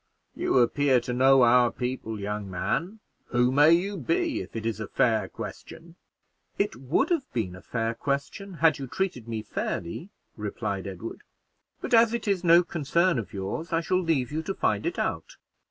You appear to know our people, young man; who may you be, if it is a fair question?" "It would have been a fair question had you treated me fairly," replied Edward; "but as it is no concern of yours, I shall leave you to find it out."